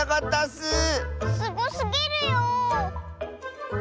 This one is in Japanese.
すごすぎるよ。